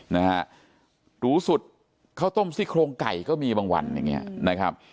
นะฮะหรูสุดข้าวต้มซี่โครงไก่ก็มีบางวันอย่างเงี้ยนะครับ